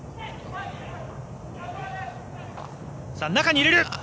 中に入れる。